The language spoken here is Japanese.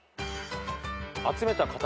「集めた塊」